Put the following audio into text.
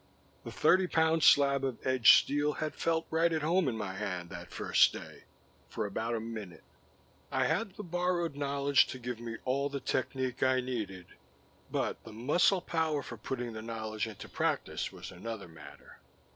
The thirty pound slab of edged steel had felt right at home in my hand that first day for about a minute. I had the borrowed knowledge to give me all the technique I needed, but the muscle power for putting the knowledge into practice was another matter.